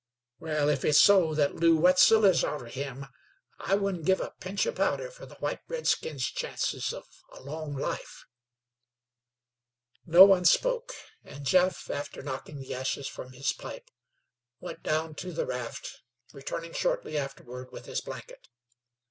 Wal, if it's so thet Lew Wetzel is arter him, I wouldn't give a pinch o' powder fer the white redskin's chances of a long life." No one spoke, and Jeff, after knocking the ashes from his pipe, went down to the raft, returning shortly afterward with his blanket.